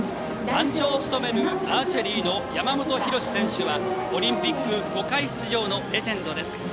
団長を務めるアーチェリーの山本博選手はオリンピック５回出場のレジェンドです。